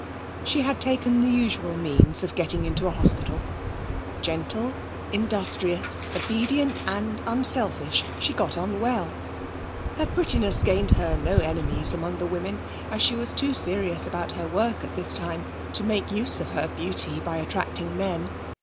She had taken the usual means of getting into a hospital. Gentle, industrious, obedient and unselfish, she got on well. Her prettiness gained her no enemies among the women as she was too serious about her work at this time to make use of her beauty by attracting men.